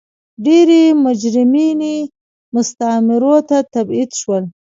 ډېری مجرمین مستعمرو ته تبعید شول.